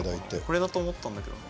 これだと思ったんだけどな。